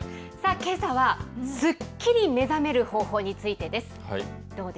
けさは、すっきり目覚める方法についてです。